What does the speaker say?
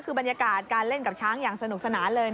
คือบรรยากาศการเล่นกับช้างอย่างสนุกสนานเลย